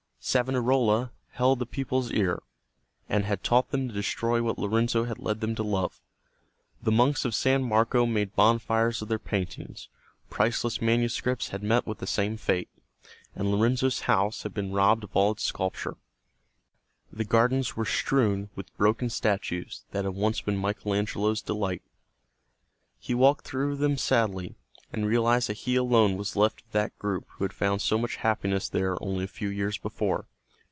Savonarola held the people's ear, and had taught them to destroy what Lorenzo had led them to love. The monks of San Marco made bonfires of their paintings, priceless manuscripts had met with the same fate, and Lorenzo's house had been robbed of all its sculpture. The gardens were strewn with broken statues that had once been Michael Angelo's delight. He walked through them sadly, and realized that he alone was left of that group who had found so much happiness there only a few years before.